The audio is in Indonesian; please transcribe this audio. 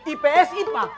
ips gitu pak